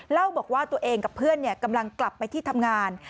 เล่าบอกว่าตัวเองกับเพื่อนกำลังกลับไปที่ทำงาน